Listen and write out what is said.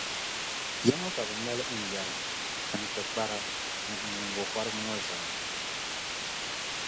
Ya ŋɔ ka bɛ maali n yɛri, n tibikpara ni n nyiŋgokɔriti ŋɔ zaa.